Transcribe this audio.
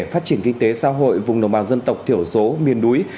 phát triển kinh tế xã hội vùng đồng bào dân tộc thiểu số miền núi